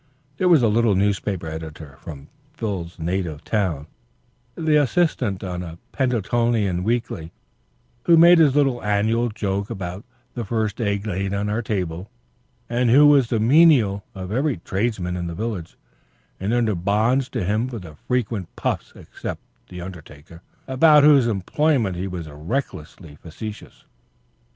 There was a little newspaper editor from Phil's native town, the assistant on a Peddletonian weekly, who made his little annual joke about the "first egg laid on our table," and who was the menial of every tradesman in the village and under bonds to him for frequent "puffs," except the undertaker, about whose employment he was recklessly facetious.